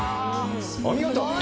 お見事！